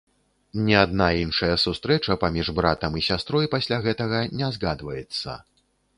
Ні адна іншая сустрэча паміж братам і сястрой пасля гэтага не згадваецца.